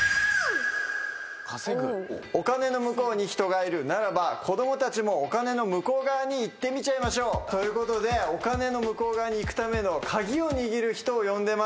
お金の向こうに人がいるならば子供たちもお金の向こう側にいってみちゃいましょう。ということでお金の向こう側にいくための鍵を握る人を呼んでます。